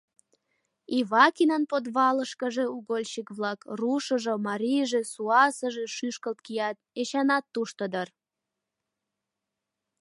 — Ивакинын подвалышкыже угольщик-влак, рушыжо, марийже, суасыже, шӱшкылт кият, Эчанат тушто дыр.